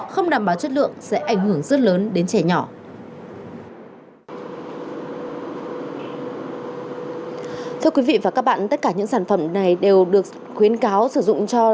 không đảm bảo chất lượng sẽ ảnh hưởng rất lớn đến trẻ nhỏ